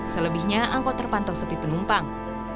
selebihnya angkot terpantau sepi penumpang